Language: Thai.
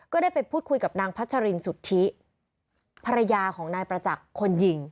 ได้ไปพูดคุยกับนางพัชรินสุทธิภรรยาของนายประจักษ์คนยิง